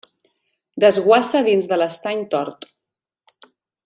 Desguassa dins de l'Estany Tort.